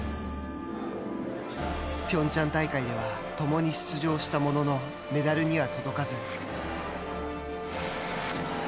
ピョンチャン大会では共に出場したもののメダルには届かず。